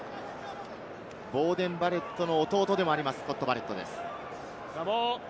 ボーデン・バレットの弟でもあります、スコット・バレットです。